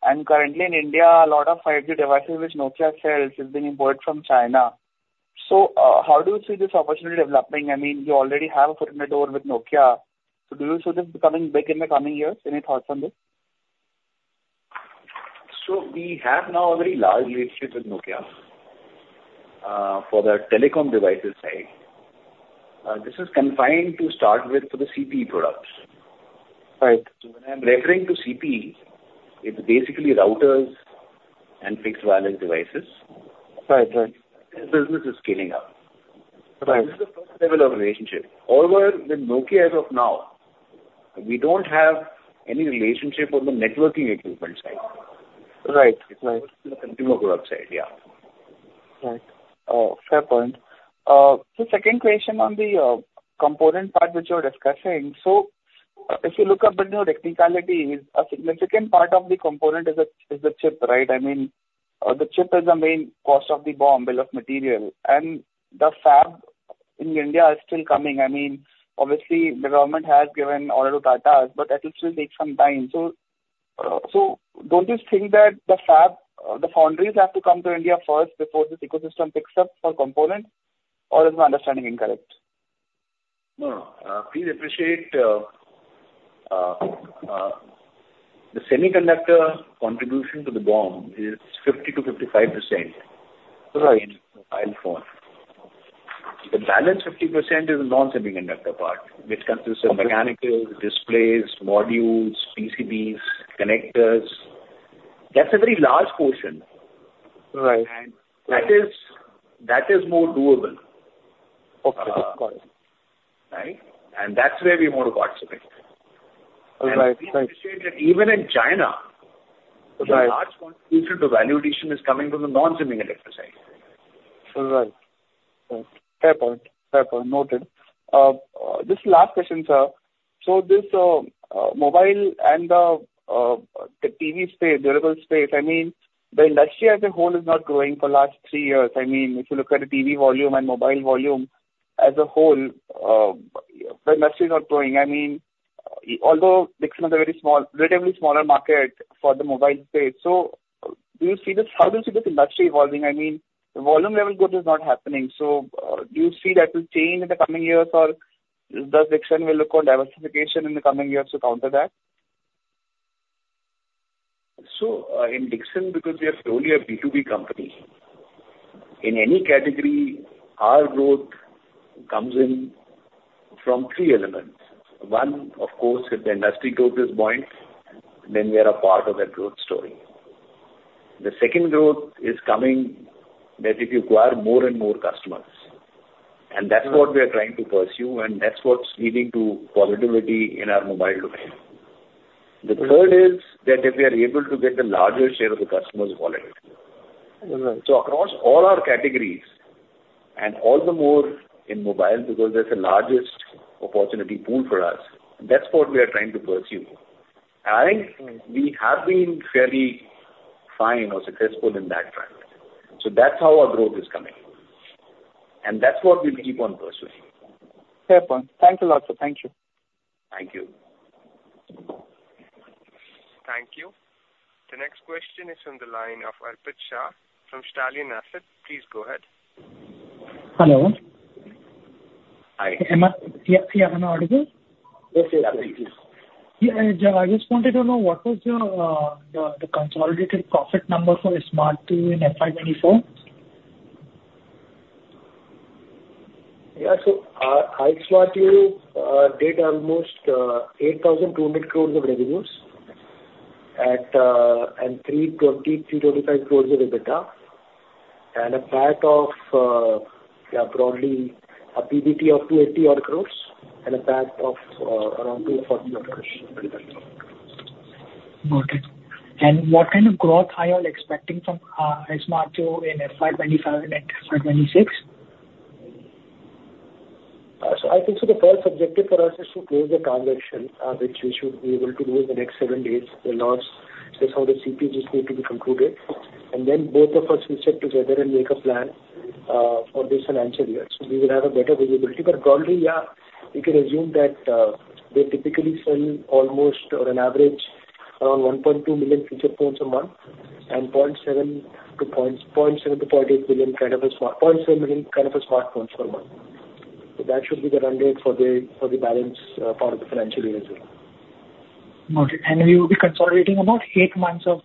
And currently in India, a lot of 5G devices which Nokia sells have been imported from China. So how do you see this opportunity developing? I mean, you already have a foot in the door with Nokia. So do you see this becoming big in the coming years? Any thoughts on this? So we have now a very large leadership with Nokia for the telecom devices side. This is confined to start with for the CPE products. So when I'm referring to CPE, it's basically routers and fixed wireless devices. The business is scaling up. So this is the first level of relationship. However, with Nokia as of now, we don't have any relationship on the networking equipment side. It's the consumer product side, yeah. Fair point. The second question on the component part which you're discussing, so if you look up at your technicalities, a significant part of the component is the chip, right? I mean, the chip is the main cost of the BOM, a lot of material. And the fab in India is still coming. I mean, obviously, the government has given order to Tatas, but that will still take some time. So don't you think that the fab, the foundries have to come to India first before this ecosystem picks up for components? Or is my understanding incorrect? No. Please appreciate the semiconductor contribution to the BOM is 50%-55% in the iPhone. The balance 50% is the non-semiconductor part, which consists of mechanicals, displays, modules, PCBs, connectors. That's a very large portion. And that is more doable. Okay. Got it. Right? And that's where we want to participate. Please appreciate that even in China, the large contribution to value addition is coming from the non-semiconductor side. Fair point. Fair point. Noted. Just last question, sir. So this mobile and the TV space, durable space, I mean, the industry as a whole is not growing for the last three years. I mean, if you look at the TV volume and mobile volume as a whole, the industry is not growing. I mean, although Dixon is a very relatively smaller market for the mobile space, so do you see this? How do you see this industry evolving? I mean, the volume level growth is not happening. So do you see that will change in the coming years, or does Dixon look on diversification in the coming years to counter that? So in Dixon, because we are solely a B2B company, in any category, our growth comes in from three elements. One, of course, if the industry growth is buoyant, then we are a part of that growth story. The second growth is coming that if you acquire more and more customers. And that's what we are trying to pursue, and that's what's leading to positivity in our mobile domain. The third is that if we are able to get the larger share of the customer's wallet. So across all our categories and all the more in mobile because that's the largest opportunity pool for us, that's what we are trying to pursue. I think we have been fairly fine or successful in that front. So that's how our growth is coming. And that's what we'll keep on pursuing. Fair point. Thank you a lot, sir. Thank you. Thank you. Thank you. The next question is from the line of Arpit Shah from Stallion Asset. Please go ahead. Hello. Hi. Yeah. Yeah. I'm audible. Yes, yes. I just wanted to know what was the consolidated profit number for Ismartu in FY 2024? Yeah. So Ismartu did almost 8,200 crore of revenues and 320 crore-325 crore of EBITDA. And a part of, yeah, broadly, a PBT of 280-odd crore and a part of around 240-odd crore. Got it. And what kind of growth are you all expecting from Ismartu in FY 2025 and FY 2026? So I think so the first objective for us is to close the transaction, which we should be able to do in the next 7 days. We'll also see how the CPGs need to be concluded. And then both of us will sit together and make a plan for this financial year. So we will have a better visibility. But broadly, yeah, we can assume that they typically sell almost, on average, around 1.2 million feature phones a month and 0.7 million-0.8 million kind of a 0.7 million kind of a smartphones per month. So that should be the run rate for the balance part of the financial year as well. Got it. And we will be consolidating about eight months of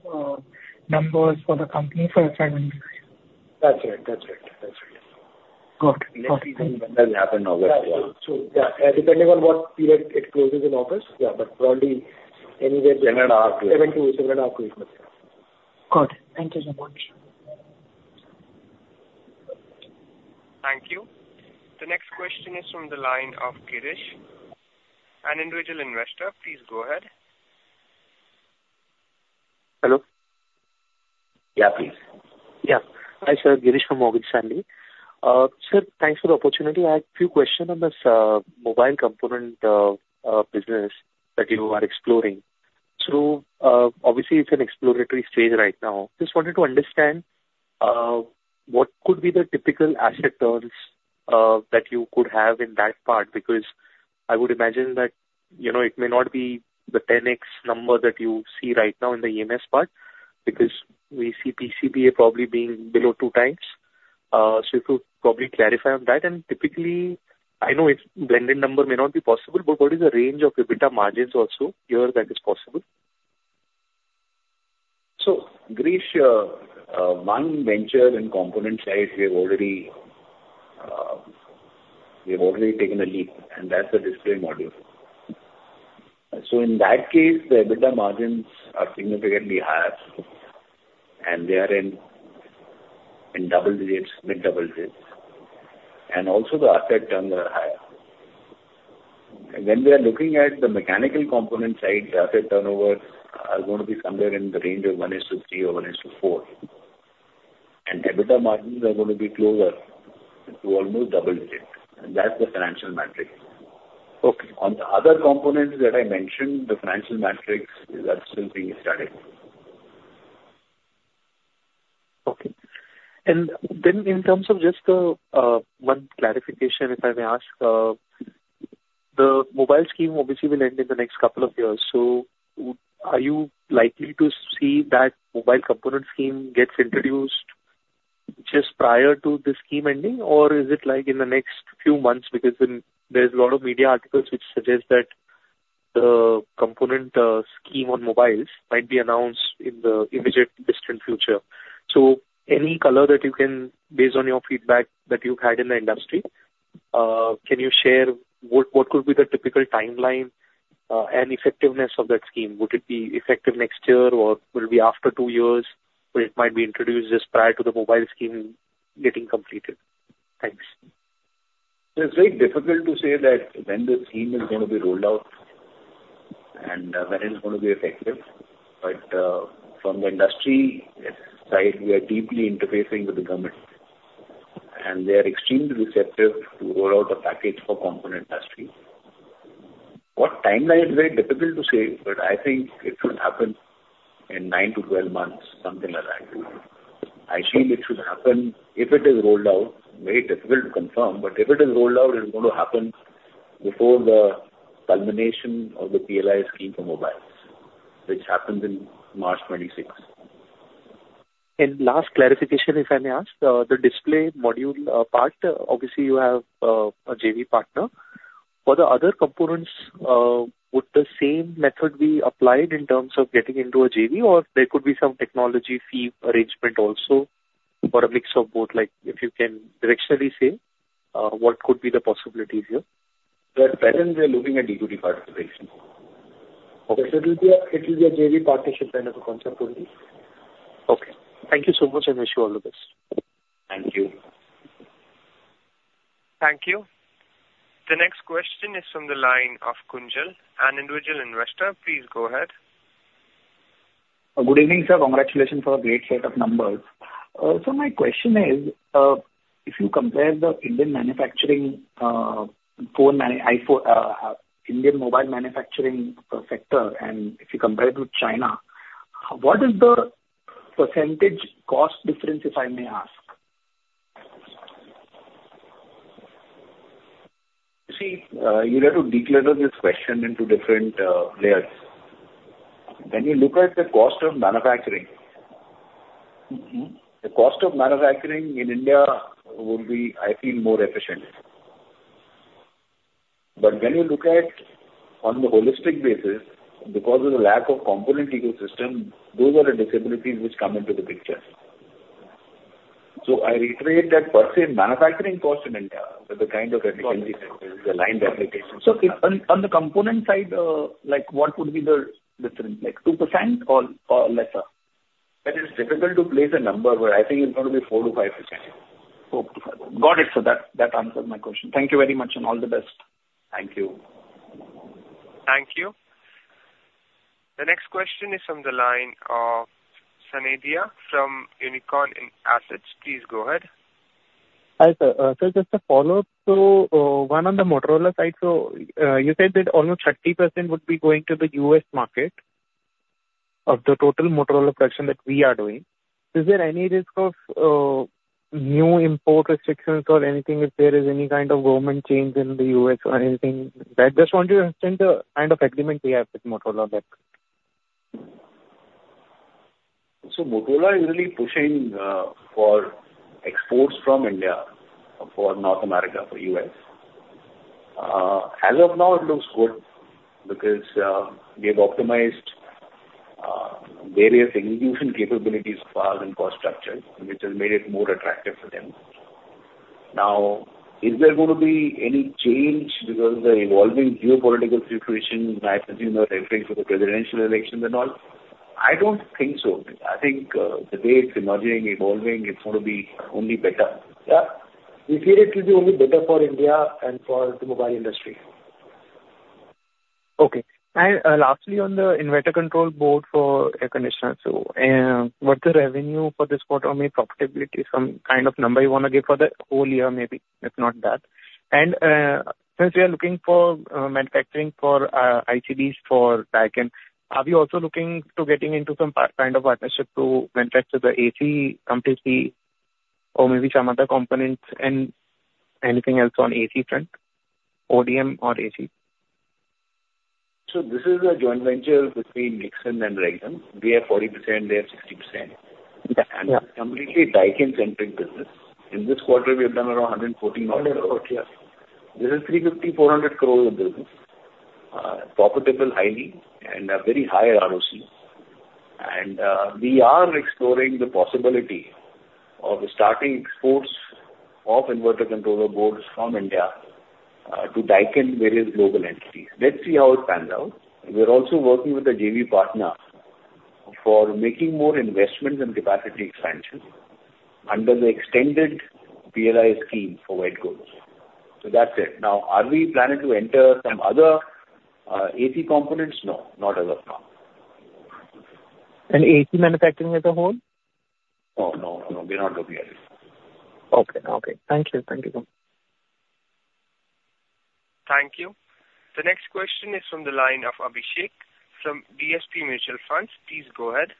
numbers for the company for FY 2026. That's right. That's right. That's right. Got it. That has happened already. Yeah. Yeah, depending on what period it closes in August, yeah, but probably anywhere between 7-7.5 weeks. Got it. Thank you so much. Thank you. The next question is from the line of Girish. An individual investor. Please go ahead. Hello. Yeah, please. Yeah. Hi, sir. Girish from Morgan Stanley. Sir, thanks for the opportunity. I had a few questions on this mobile component business that you are exploring. So obviously, it's an exploratory stage right now. Just wanted to understand what could be the typical asset turns that you could have in that part because I would imagine that it may not be the 10x number that you see right now in the EMS part because we see PCBA probably being below 2x. So if you could probably clarify on that. Typically, I know it's blended number may not be possible, but what is the range of EBITDA margins also here that is possible? Girish, one venture in component size we have already taken a leap, and that's the display module. In that case, the EBITDA margins are significantly higher, and they are in double digits, mid double digits. Also, the asset turns are higher. When we are looking at the mechanical component side, the asset turnovers are going to be somewhere in the range of 1:3 or 1:4. EBITDA margins are going to be closer to almost double digits. That's the financial metrics. On the other components that I mentioned, the financial metrics are still being studied. Okay. Then in terms of just one clarification, if I may ask, the mobile scheme obviously will end in the next couple of years. So are you likely to see that mobile component scheme gets introduced just prior to the scheme ending, or is it in the next few months because there's a lot of media articles which suggest that the component scheme on mobiles might be announced in the immediate distant future? So any color that you can, based on your feedback that you've had in the industry, can you share what could be the typical timeline and effectiveness of that scheme? Would it be effective next year, or will it be after two years where it might be introduced just prior to the mobile scheme getting completed? Thanks. So it's very difficult to say that when the scheme is going to be rolled out and when it's going to be effective. But from the industry side, we are deeply interfacing with the government, and they are extremely receptive to roll out a package for component industry. What timeline is very difficult to say, but I think it should happen in nine to 12 months, something like that. I feel it should happen if it is rolled out. Very difficult to confirm, but if it is rolled out, it's going to happen before the culmination of the PLI scheme for mobiles, which happens in March 2026. And last clarification, if I may ask, the display module part, obviously, you have a JV partner. For the other components, would the same method be applied in terms of getting into a JV, or there could be some technology fee arrangement also or a mix of both? If you can directionally say, what could be the possibilities here? But when we are looking at equity participation, it will be a JV partnership kind of a concept only. Okay. Thank you so much, and wish you all the best. Thank you. Thank you. The next question is from the line of Kunjal. An individual investor. Please go ahead. Good evening, sir. Congratulations for a great set of numbers. So my question is, if you compare the Indian manufacturing phone and Indian mobile manufacturing sector, and if you compare it with China, what is the percentage cost difference, if I may ask? You have to declutter this question into different layers. When you look at the cost of manufacturing, the cost of manufacturing in India will be, I feel, more efficient. But when you look at it on the holistic basis, because of the lack of component ecosystem, those are the disabilities which come into the picture. So I reiterate that per se manufacturing cost in India with the kind of efficiency that is aligned to application. So on the component side, what would be the difference? 2% or lesser? That is difficult to place a number, but I think it's going to be 4%-5%. Got it. So that answers my question. Thank you very much, and all the best. Thank you. Thank you. The next question is from the line of Sanidhya from Unicorn Assets. Please go ahead. Hi, sir. So just a follow-up. So one on the Motorola side, so you said that almost 30% would be going to the U.S. market of the total Motorola production that we are doing. Is there any risk of new import restrictions or anything if there is any kind of government change in the U.S. or anything like that? Just want to understand the kind of agreement we have with Motorola. Motorola is really pushing for exports from India for North America, for U.S. As of now, it looks good because we have optimized various execution capabilities of our infrastructure, which has made it more attractive for them. Now, is there going to be any change because of the evolving geopolitical situation, and I presume the ramping for the presidential election and all? I don't think so. I think the way it's emerging, evolving, it's going to be only better. Yeah. We feel it will be only better for India and for the mobile industry. Okay. And lastly, on the inverter control board for air conditioners, so what's the revenue for this quarter or maybe profitability, some kind of number you want to give for the whole year maybe if not that? Since we are looking for manufacturing for ICBs for Daikin, are we also looking to getting into some kind of partnership to manufacture the AC completely or maybe some other components and anything else on AC front, ODM or AC? So this is a joint venture between Dixon and Rexxam. We have 40%. They have 60%. And it's a completely Daikin-centric business. In this quarter, we have done around 140 crores. This is 350 crore-400 crore of business, profitable highly, and a very high ROC. And we are exploring the possibility of starting exports of inverter controller boards from India to Daikin and various global entities. Let's see how it pans out. We're also working with a JV partner for making more investments and capacity expansion under the extended PLI scheme for white goods. That's it. Now, are we planning to enter some other AC components? No, not as of now. And AC manufacturing as a whole? Oh, no. We're not looking at it. Okay. Okay. Thank you. Thank you. Thank you. The next question is from the line of Abhishek from DSP Mutual Funds. Please go ahead.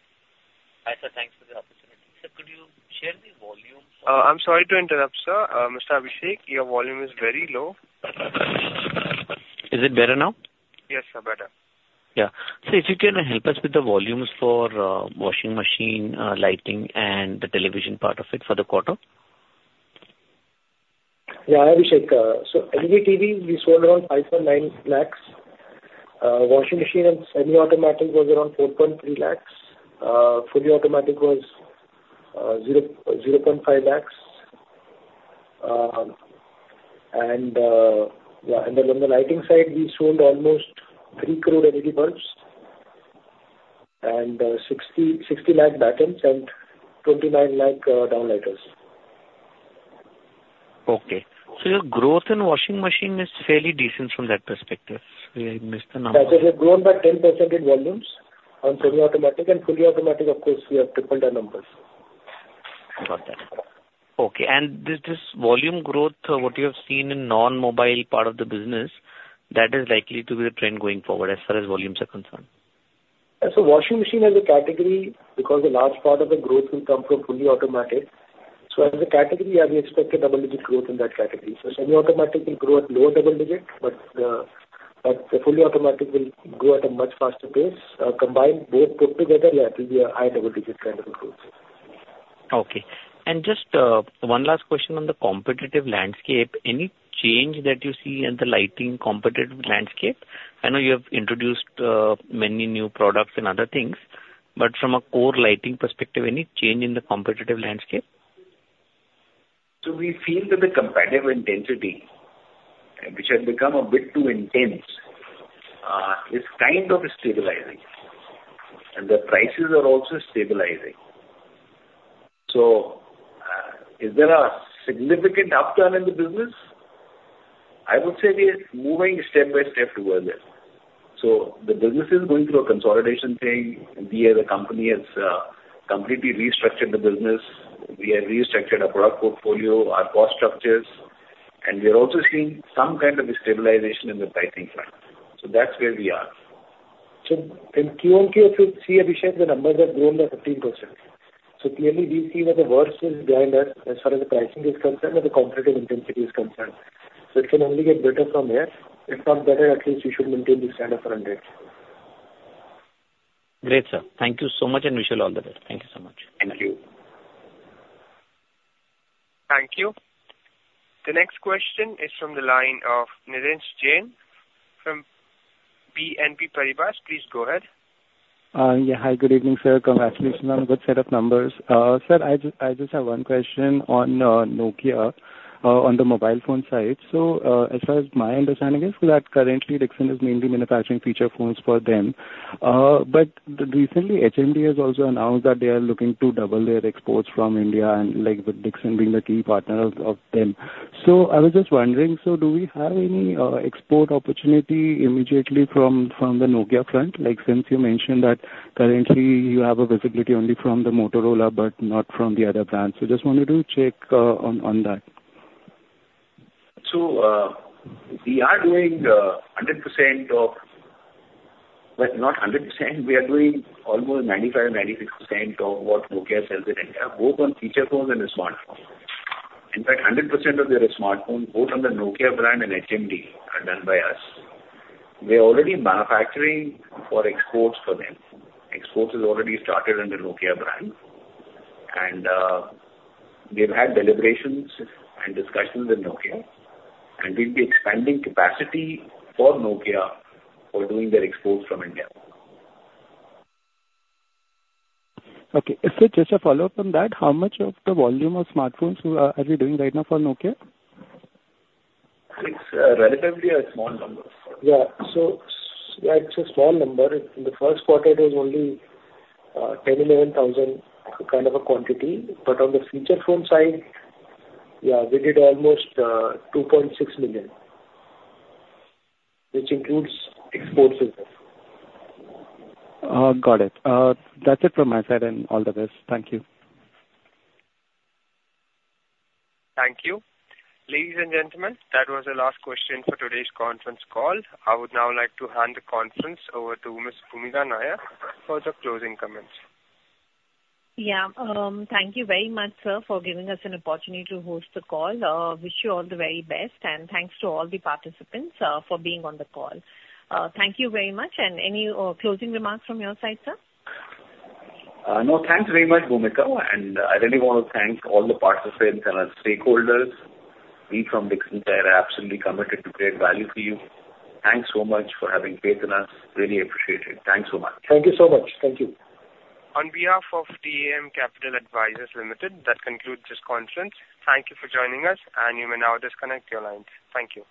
Hi, sir. Thanks for the opportunity. Sir, could you share the volume? I'm sorry to interrupt, sir. Mr. Abhishek, your volume is very low. Is it better now? Yes, sir. Better. Yeah. So if you can help us with the volumes for washing machine, lighting, and the television part of it for the quarter? Yeah. Abhishek, so LG TV, we sold around 5.9 lakhs. Washing machine and semi-automatic was around 4.3 lakhs. Fully automatic was 0.5 lakhs. And on the lighting side, we sold almost 3 crore LED bulbs and 60 lakhs battens and 29 lakhs downlighters. Okay. So your growth in washing machine is fairly decent from that perspective. We missed the number. Yeah. So we have grown by 10% in volumes on semi-automatic. And fully automatic, of course, we have tripled our numbers. Got it. Okay. And this volume growth, what you have seen in non-mobile part of the business, that is likely to be the trend going forward as far as volumes are concerned. So washing machine as a category, because a large part of the growth will come from fully automatic. So as a category, we expect a double-digit growth in that category. So semi-automatic will grow at lower double digits, but the fully automatic will grow at a much faster pace. Combined, both put together, yeah, it will be a high double-digit kind of growth. Okay. And just one last question on the competitive landscape. Any change that you see in the lighting competitive landscape? I know you have introduced many new products and other things, but from a core lighting perspective, any change in the competitive landscape? We feel that the competitive intensity, which has become a bit too intense, is kind of stabilizing. And the prices are also stabilizing. If there are significant upturn in the business, I would say we are moving step by step towards it. The business is going through a consolidation thing. The company has completely restructured the business. We have restructured our product portfolio, our cost structures, and we are also seeing some kind of stabilization in the pricing front. That's where we are. In Q1, if you see, Abhishek, the numbers have grown by 15%. So clearly, we feel that the worst is behind us as far as the pricing is concerned and the competitive intensity is concerned. So it can only get better from there. If not better, at least we should maintain this kind of run rate. Great, sir. Thank you so much, and wish you all the best. Thank you so much. Thank you. Thank you. The next question is from the line of Nirransh Jain from BNP Paribas. Please go ahead. Yeah. Hi, good evening, sir. Congratulations on a good set of numbers. Sir, I just have one question on Nokia on the mobile phone side. So as far as my understanding is, currently, Dixon is mainly manufacturing feature phones for them. But recently, HMD has also announced that they are looking to double their exports from India, with Dixon being the key partner of them. I was just wondering, so do we have any export opportunity immediately from the Nokia front? Since you mentioned that currently, you have a visibility only from the Motorola but not from the other brands. So just wanted to check on that. So we are doing 100% of not 100%. We are doing almost 95%, 96% of what Nokia sells in India, both on feature phones and the smartphones. In fact, 100% of their smartphones, both on the Nokia brand and HMD, are done by us. We are already manufacturing for exports for them. Exports have already started on the Nokia brand. And we've had deliberations and discussions with Nokia. And we'll be expanding capacity for Nokia for doing their exports from India. Okay. So just a follow-up on that. How much of the volume of smartphones are we doing right now for Nokia? It's relatively a small number. Yeah. So it's a small number. In the first quarter, it was only 10,000, 11,000 kind of a quantity. But on the feature phone side, yeah, we did almost 2.6 million, which includes exports. Got it. That's it from my side and all the best. Thank you. Thank you. Ladies and gentlemen, that was the last question for today's conference call. I would now like to hand the conference over to Ms. Bhoomika Nair for the closing comments. Yeah. Thank you very much, sir, for giving us an opportunity to host the call. Wish you all the very best. And thanks to all the participants for being on the call. Thank you very much. And any closing remarks from your side, sir? No. Thanks very much, Bhoomika. And I really want to thank all the participants and our stakeholders. We from Dixon are absolutely committed to create value for you. Thanks so much for having faith in us. Really appreciate it. Thanks so much. Thank you so much. Thank you. On behalf of DAM Capital Advisors Limited, that concludes this conference. Thank you for joining us, and you may now disconnect your lines. Thank you.